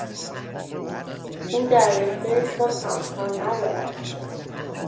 او در رشتهی خود همتا ندارد.